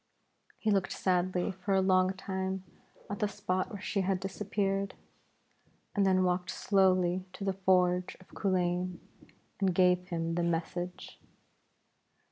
He looked sadly for a long time at the spot where she had disappeared, and then walked slowly to the forge of Culain, and gave him the message.